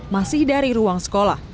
masih dari ruang sekolah